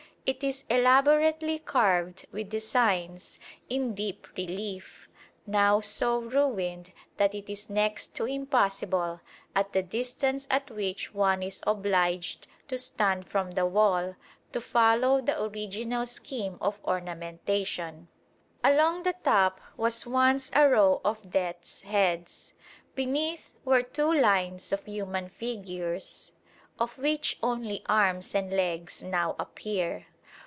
It is elaborately carved with designs in deep relief, now so ruined that it is next to impossible, at the distance at which one is obliged to stand from the wall, to follow the original scheme of ornamentation. Along the top was once a row of death's heads. Beneath were two lines of human figures, of which only arms and legs now appear.